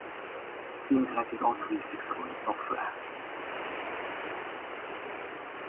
Seems like it ought to be fixable in software.